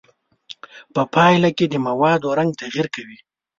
په پایله کې د موادو رنګ تغیر کوي.